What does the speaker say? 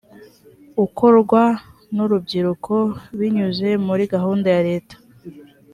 ukorwa n ‘urubyiruko binyuze muri gahunda ya leta.